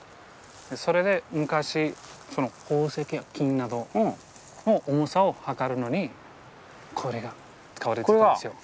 それで昔宝石や金などの重さを量るのにこれが使われてたんですよ。